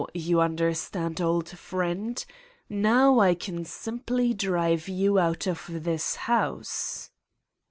. you under stand, old friend : now I can simply drive you out of this house